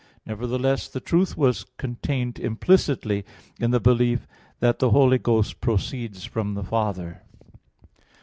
Nevertheless the truth was contained implicitly in the belief that the Holy Ghost proceeds from the Father.